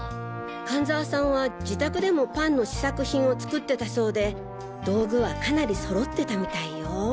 菅沢さんは自宅でもパンの試作品を作ってたそうで道具はかなり揃ってたみたいよ。